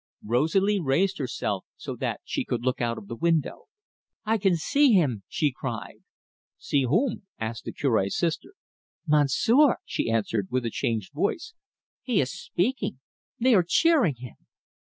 Rosalie raised herself so that she could look out of the window. "I can see him," she cried. "See whom?" asked the Cure's sister. "Monsieur," she answered, with a changed voice. "He is speaking. They are cheering him."